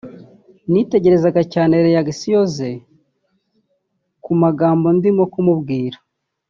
nitegerezaga cyane réactions ze ku magambo ndimo kumubwira